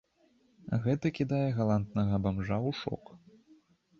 Гэта кідае галантнага бамжа ў шок.